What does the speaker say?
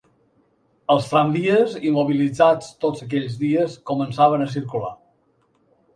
Els tramvies, immobilitzats tots aquells dies, començaven a circular